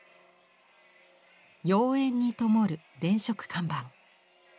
妖艶にともる電飾看板。